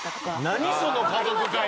何その家族会議。